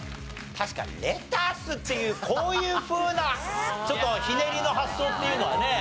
確かにレタスっていうこういうふうなちょっとひねりの発想っていうのはね。